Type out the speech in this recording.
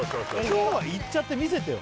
今日はいっちゃってみせてよ